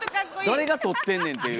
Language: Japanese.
誰が撮ってんねんっていう。